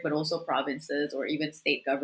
atau bahkan pemerintah negara